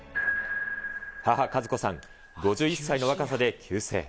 母、かず子さん５１歳の若さで急逝。